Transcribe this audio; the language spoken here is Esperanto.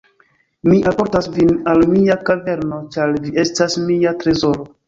"Mi alportas vin al mia kaverno, ĉar vi estas mia trezoro."